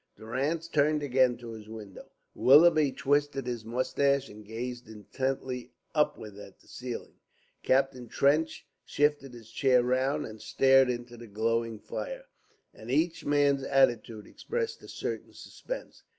Durrance turned again to his window; Willoughby twisted his moustache and gazed intently upward at the ceiling; Captain Trench shifted his chair round and stared into the glowing fire, and each man's attitude expressed a certain suspense.